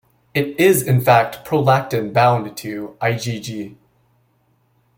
It is in fact prolactin bound to IgG.